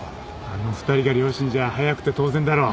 あの２人が両親じゃ速くて当然だろ。